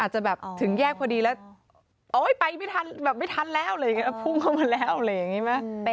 จะแบบถึงแยกพอดีแล้วโอ๊ยไปไม่ทันแบบไม่ทันแล้วอะไรอย่างนี้พุ่งเข้ามาแล้วอะไรอย่างนี้ไหม